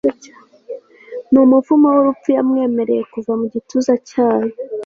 numuvumo wurupfu Yamwemereye kuva mu gituza cyayo